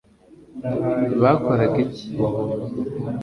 bakoraga iki